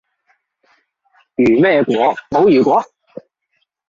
如咩果？冇如果